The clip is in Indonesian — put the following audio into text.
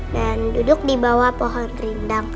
dan duduk di bawah pohon rindang